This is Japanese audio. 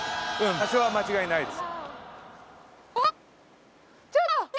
場所は間違いないです。